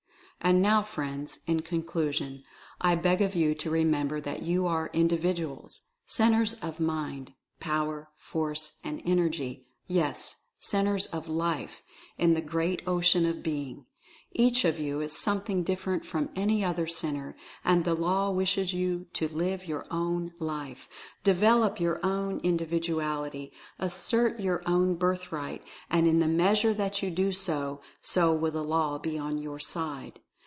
And now, friends, in conclusion I beg of you to re member that you are Individuals — Centres of Mind, Power, Force and Energy, yes, Centres of LIFE, in the great Ocean of Being. Each of you is something different from any other Centre, and the Law wishes you to live your own life; develop your own indi viduality; assert your own birthright — and in the measure that you so do, so will the Law be on your side.